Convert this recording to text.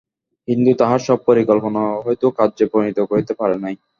হিন্দু তাহার সব পরিকল্পনা হয়তো কার্যে পরিণত করিতে পারে নাই।